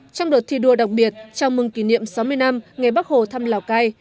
trong đợt thi đua đặc biệt chào mừng kỷ niệm sáu mươi năm ngày bắc hồ thăm lào cai